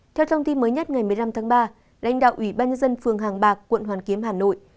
theo thông tin mới nhất ngày một mươi năm tháng ba lãnh đạo ủy ban nhân dân phường hàng bạc quận hoàn kiếm hà nội